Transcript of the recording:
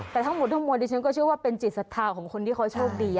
แต่ทั้งหมดทั้งมวลดิฉันก็เชื่อว่าเป็นจิตศรัทธาของคนที่เขาโชคดี